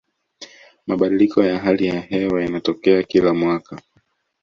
mabadiliko ya hali ya hewa yanatokea kila mwaka